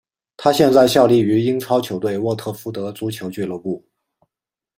他现在效力于英超球队沃特福德足球俱乐部。